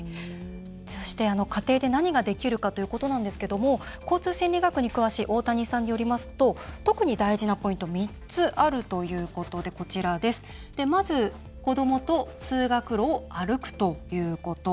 そして、家庭で何ができるかということですが交通心理学に詳しい大谷さんによりますと特に大事なポイント３つあるということで子どもと通学路を歩くということ。